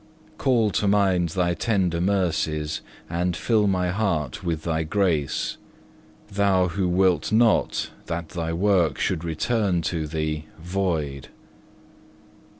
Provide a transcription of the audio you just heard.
Call to mind Thy tender mercies, and fill my heart with Thy grace, Thou who wilt not that Thy work should return to Thee void.